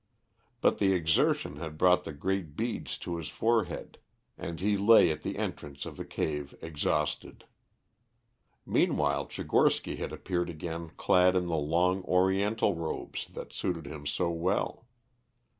But the exertion had brought the great beads to his forehead, and he lay at the entrance to the cave exhausted. Meanwhile Tchigorsky had appeared again clad in the long Oriental robes that suited him so well.